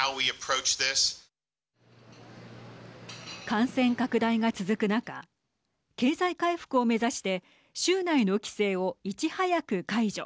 感染拡大が続く中経済回復を目指して州内の規制を、いち早く解除。